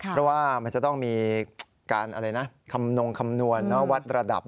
เพราะว่ามันจะต้องมีการอะไรนะคำนงคำนวณวัดระดับ